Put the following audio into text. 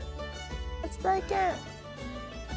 初体験。